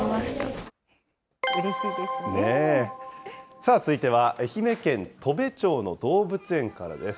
さあ、続いては愛媛県砥部町の動物園からです。